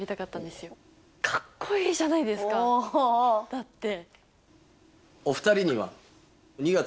だって。